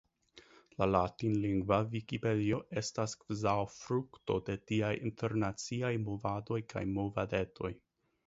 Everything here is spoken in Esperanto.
La latinlingva Vikipedio estas kvazaŭ frukto de tiaj internaciaj movadoj kaj movadetoj.